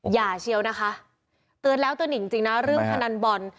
เชียวนะคะเตือนแล้วเตือนอีกจริงนะเรื่องพนันบอล